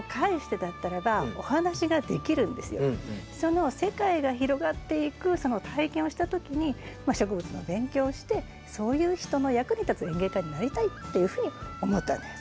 その世界が広がっていく体験をした時に植物の勉強をしてそういう人の役に立つ園芸家になりたいっていうふうに思ったんです。